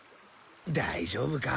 大丈夫か？